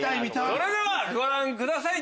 それではご覧ください！